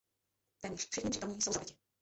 Téměř všichni přítomní jsou zabiti.